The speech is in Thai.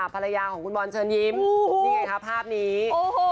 ภรรยาของคุณบอลเชิญยิ้มนี่ไงคะภาพนี้